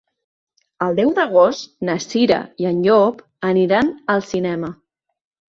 El deu d'agost na Cira i en Llop aniran al cinema.